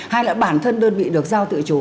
hay là bản thân đơn vị được giao tự chủ